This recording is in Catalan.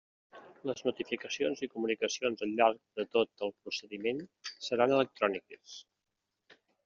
Les notificacions i comunicacions al llarg de tot el procediment seran electròniques.